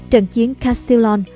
trận chiến castellon